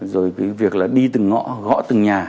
rồi việc đi từng ngõ gõ từng nhà